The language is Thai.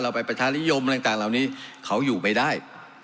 เราไปประชานิยมอะไรต่างเขาอยู่ไปได้